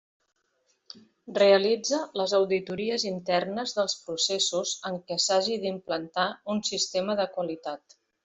Realitza les auditories internes dels processos en què s'hagi d'implantar un sistema de qualitat.